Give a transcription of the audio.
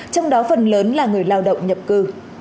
trong đó phần lớn là người lao động nhập cư